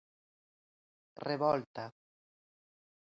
Revolta.